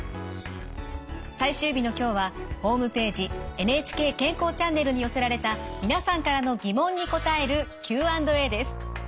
最終日の今日はホームページ「ＮＨＫ健康チャンネル」に寄せられた皆さんからの疑問に答えるＱ＆Ａです。